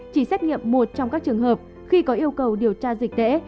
chỉ xét nghiệm một trong các trường hợp khi có yêu cầu điều tra dịch tễ